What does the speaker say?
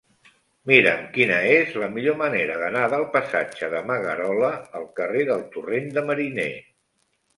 Mira'm quina és la millor manera d'anar del passatge de Magarola al carrer del Torrent de Mariner.